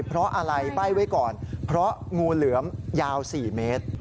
เพราะอะไรใบ้ไว้ก่อนเพราะงูเหลือมยาว๔เมตร